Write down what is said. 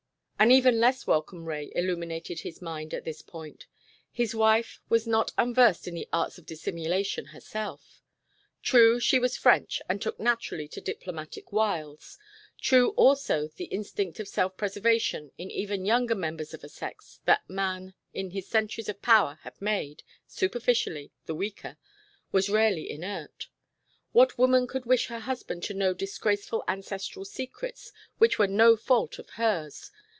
An even less welcome ray illuminated his mind at this point. His wife was not unversed in the arts of dissimulation herself. True, she was French and took naturally to diplomatic wiles; true, also, the instinct of self preservation in even younger members of a sex that man in his centuries of power had made, superficially, the weaker, was rarely inert. What woman would wish her husband to know disgraceful ancestral secrets which were no fault of hers?